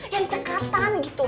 yang cekatan gitu